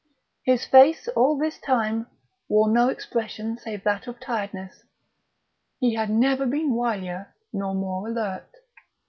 His face all this time wore no expression save that of tiredness. He had never been wilier nor more alert.